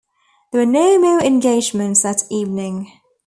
There were no more engagements that evening.